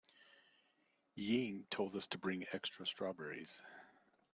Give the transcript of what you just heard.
Ying told us to bring extra strawberries.